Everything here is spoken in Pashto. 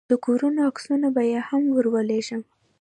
د کورونو عکسونه به يې هم ورولېږم.